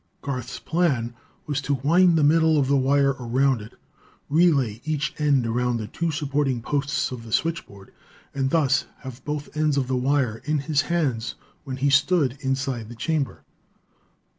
Garth's plan was to wind the middle of the wire around it, relay each end around the two supporting posts of the switchboard, and thus have both ends of the wire in his hands when he stood inside the chamber.